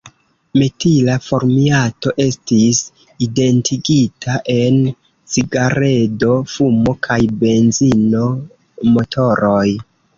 Metila formiato estis identigita en cigaredo-fumo kaj benzino-motoroj.